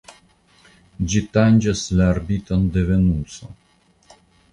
Ĝi tanĝas la orbiton de Venuso.